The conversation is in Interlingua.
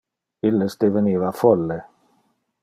Illes deveniva folle.